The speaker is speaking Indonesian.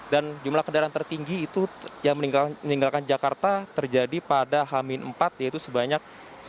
dan jumlah kendaraan tertinggi itu yang meninggalkan jakarta terjadi pada hm empat yaitu sebanyak sembilan puluh dua enam ratus enam puluh delapan